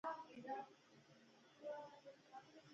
ازادي راډیو د د ښځو حقونه په اړه د سیمینارونو راپورونه ورکړي.